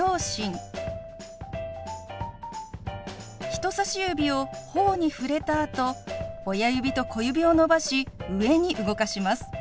人さし指をほおに触れたあと親指と小指を伸ばし上に動かします。